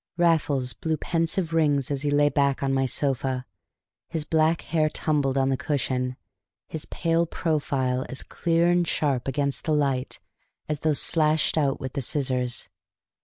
Raffles blew pensive rings as he lay back on my sofa, his black hair tumbled on the cushion, his pale profile as clear and sharp against the light as though slashed out with the scissors.